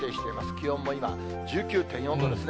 気温も今、１９．４度ですね。